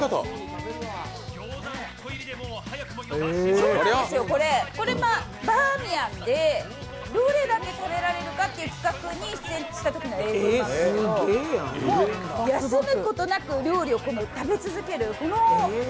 そうなんです、これバーミヤンどれだけ食べられるか当企画に出演したときの映像なんですけど、休むことなく料理を食べ続ける。